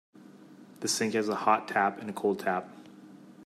The sink has a hot tap and a cold tap